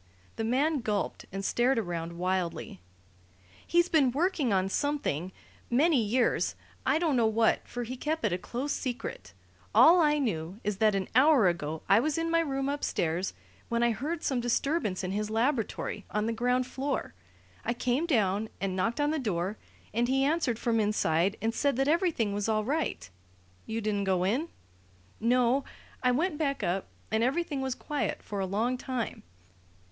The man gulped and stared around wildly. "He's been working on something many years I don't know what, for he kept it a close secret. All I knew is that an hour ago I was in my room upstairs, when I heard some disturbance in his laboratory, on the ground floor. I came down and knocked on the door, and he answered from inside and said that everything was all right " "You didn't go in?" "No. I went back up, and everything was quiet for a long time.